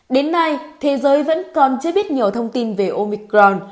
đến nay thế giới vẫn còn chưa biết nhiều thông tin về omicron